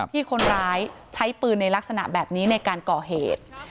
ที่คนร้ายใช้ปืนในลักษณะแบบนี้ในการก่อเหตุ